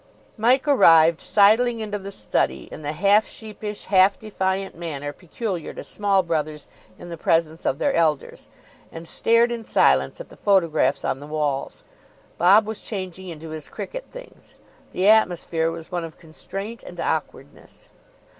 Mike arrived, sidling into the study in the half sheepish, half defiant manner peculiar to small brothers in the presence of their elders, and stared in silence at the photographs on the walls. Bob was changing into his cricket things. The atmosphere was one of constraint and awkwardness.